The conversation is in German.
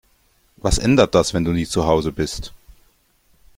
Was ändert das, wenn du nie zu Hause bist?